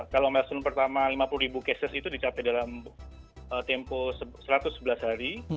kalau melson pertama lima puluh ribu cases itu dicapai dalam tempo satu ratus sebelas hari